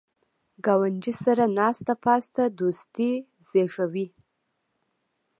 ګاونډي سره ناسته پاسته دوستي زیږوي